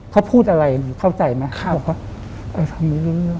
เขาพูดอะไรวะเข้าใจมั้ย